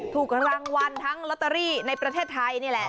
ถูกรางวัลทั้งลอตเตอรี่ในประเทศไทยนี่แหละ